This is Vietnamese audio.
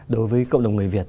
đối với cộng đồng người việt